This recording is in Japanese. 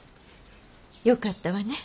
よかったわね。